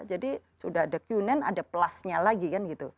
jadi sudah ada q sembilan ada plusnya lagi kan gitu